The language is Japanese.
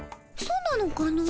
そうなのかの？